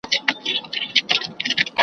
چې د ځان له غمه زيات د وطن غم خورم